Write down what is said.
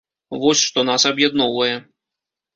Вось што нас аб'ядноўвае.